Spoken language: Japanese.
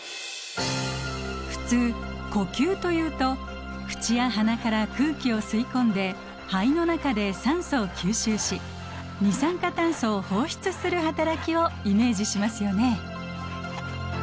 普通呼吸というと口や鼻から空気を吸い込んで肺の中で酸素を吸収し二酸化炭素を放出する働きをイメージしますよね。